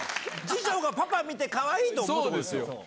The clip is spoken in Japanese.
二女がパパ見てかわいい！と思うとこですよ。